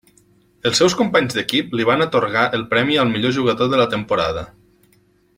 Els seus companys d'equip li van atorgar el premi al millor jugador de la temporada.